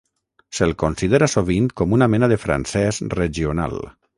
Se'l considera sovint com una mena de francès regional.